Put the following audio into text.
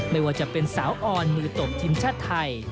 ไม่ว่าจะเป็นสาวออนมือตบทีมชาติไทย